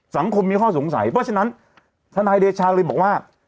สังคมมีข้อสงสัยเพราะฉะนั้นทนายเดชาเลยบอกว่า